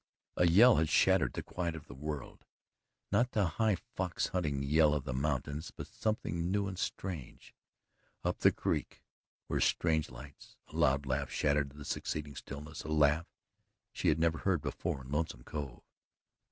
A yell had shattered the quiet of the world not the high fox hunting yell of the mountains, but something new and strange. Up the creek were strange lights. A loud laugh shattered the succeeding stillness a laugh she had never heard before in Lonesome Cove.